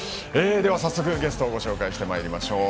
では早速ゲストをご紹介してまいりましょう。